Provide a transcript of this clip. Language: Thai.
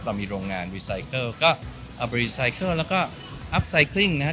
เรามีโรงงานรีไซเคิลก็รีไซเคิลแล้วก็อัพไซคลิ้งนะครับ